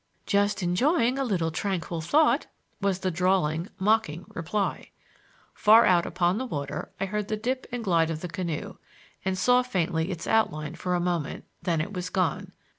"Just enjoying a little tranquil thought!" was the drawling, mocking reply. Far out upon the water I heard the dip and glide of the canoe, and saw faintly its outline for a moment; then it was gone.